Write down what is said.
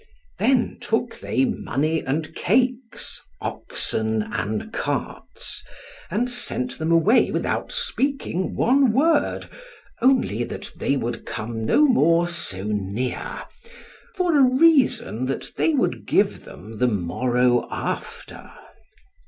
Then took they money and cakes, oxen and carts, and sent them away without speaking one word, only that they would come no more so near, for a reason that they would give them the morrow after.